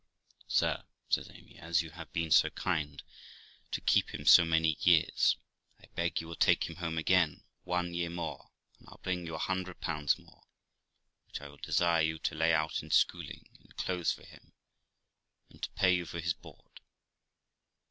'Sir', says Amy, 'as you have been so kind to keep him so many years, I beg you will take him home again one year more, and I'll bring you a hundred pounds more, which I will desire you to lay out in schooling and clothes for him, and to pay you for his board.